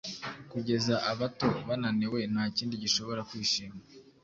Kugeza abato, bananiwe, Ntakindi gishobora kwishima;